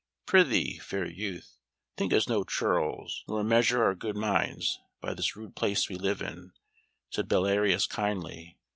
"Prithee, fair youth, think us no churls, nor measure our good minds by this rude place we live in," said Belarius kindly.